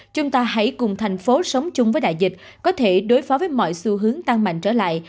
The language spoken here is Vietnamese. chúng ta hãy cùng thành phố sống chung với đại dịch có thể đối phó với mọi xu hướng tăng mạnh trở lại